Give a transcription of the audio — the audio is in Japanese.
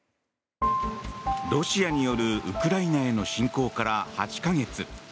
ロシアによるウクライナへの侵攻から８か月。